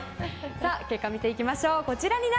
結果を見ていきましょう。